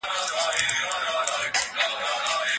ګامونه مو استوار.